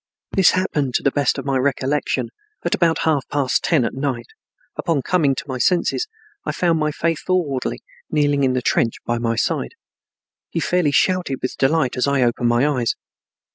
This happened, to the best of my recollection, at about half past ten at night. Upon coming to my senses I found my faithful orderly, kneeling in the trench by my side. He fairly shouted with delight as I opened my eyes.